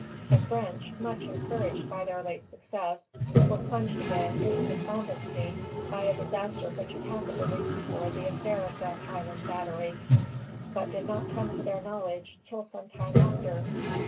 The French, much encouraged by their late success, were plunged again into despondency by a disaster which had happened a week before the affair of the Island Battery, but did not come to their knowledge till some time after.